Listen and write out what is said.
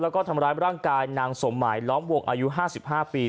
แล้วก็ทำร้ายร่างกายนางสมหมายล้อมวงอายุ๕๕ปี